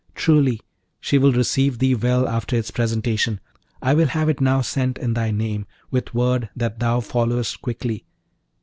Truly she will receive thee well after its presentation! I will have it now sent in thy name, with word that thou followest quickly.